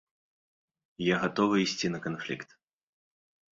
Я гатовы ісці на канфлікт.